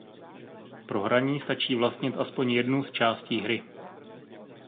Pro hraní stačí vlastnit aspoň jednu z částí hry.